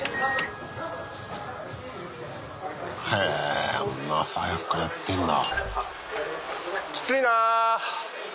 へえ朝早くからやってんだ。